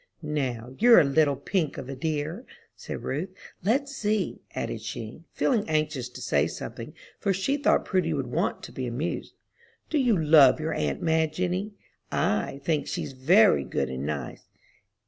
"Now, you're a little pink of a dear," said Ruth. "Let's see," added she, feeling anxious to say something, for she thought Prudy would want to be amused, "do you love your aunt Madge any? I think she's very good and nice."